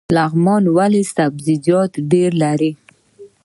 لغمان ولې سبزیجات ډیر لري؟